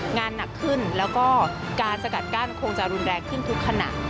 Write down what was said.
งานหนักขึ้นแล้วก็การสกัดกั้นคงจะรุนแรงขึ้นทุกขณะ